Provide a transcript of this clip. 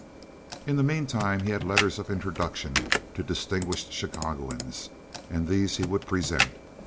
In the mean time he had letters of introduction to distinguished Chicagoans, and these he would present.